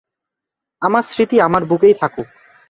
আমার স্মৃতি আমার বুকেই থাকুক।